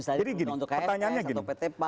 jadi gini pertanyaannya gini